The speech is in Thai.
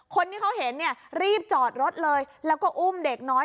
คนที่เขาเห็นเนี่ยรีบจอดรถเลยแล้วก็อุ้มเด็กน้อย